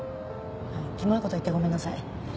キモい事言ってごめんなさい。